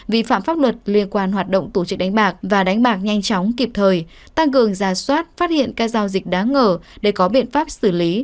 vi phạm pháp luật liên quan hoạt động tổ chức đánh bạc và đánh bạc nhanh chóng kịp thời tăng cường ra soát phát hiện các giao dịch đáng ngờ để có biện pháp xử lý